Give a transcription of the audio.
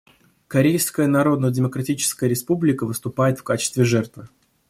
Корейская Народно-Демократическая Республика выступает в качестве жертвы.